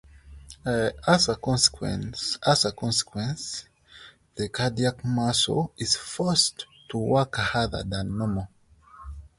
As a consequence the cardiac muscle is forced to work harder than normal.